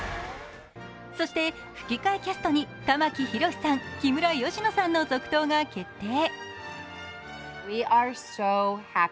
そして吹き替えキャストに玉木宏に木村佳乃さんの続投が決定。